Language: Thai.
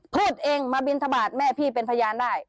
พูดเองมาบินทบาทแม่พี่เป็นพยานได้